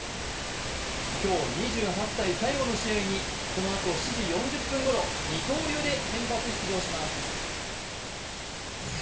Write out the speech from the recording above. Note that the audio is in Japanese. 今日２８歳最後の試合にこのあと７時４０分ごろ、二刀流で先発出場します。